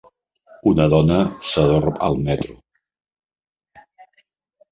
Una dona s'adorm al metro